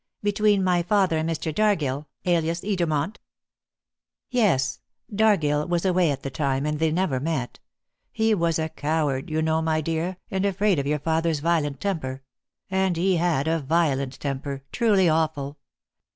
"Between my father and Mr. Dargill, alias Edermont?" "Yes. Dargill was away at the time, and they never met. He was a coward, you know, my dear, and afraid of your father's violent temper and he had a violent temper, truly awful.